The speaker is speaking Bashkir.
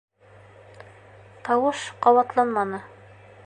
Тауыш ҡабатланманы.